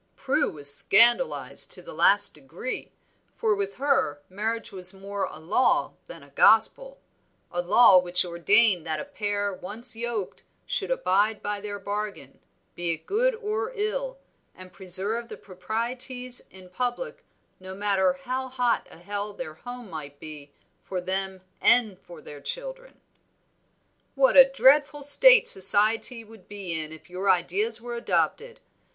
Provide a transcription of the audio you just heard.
Prue was scandalized to the last degree, for with her marriage was more a law than a gospel; a law which ordained that a pair once yoked should abide by their bargain, be it good or ill, and preserve the proprieties in public no matter how hot a hell their home might be for them and for their children. "What a dreadful state society would be in if your ideas were adopted!